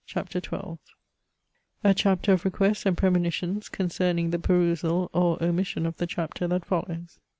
CHAPTER XII A chapter of requests and premonitions concerning the perusal or omission of the chapter that follows.